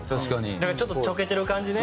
ちょっとちょけてる感じね。